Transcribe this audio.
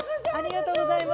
ありがとうございます。